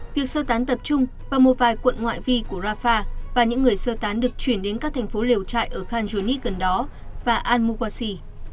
việc sơ tán tập trung vào một vài quận ngoại vi của rafah và những người sơ tán được chuyển đến các thành phố lều trại ở khanjunis gần đó và al muwasi